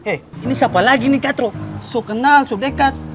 eh ini siapa lagi nih katro so kenal so dekat